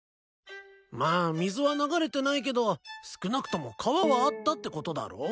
まあ水は流れてないけど少なくとも川はあったってことだろ？